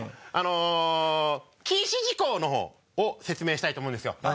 あの禁止事項の方を説明したいと思うんですよ。